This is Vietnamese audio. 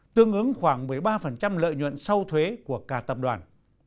tương ứng khoảng một mươi ba lợi nhuận sau thuế của cả tập đoàn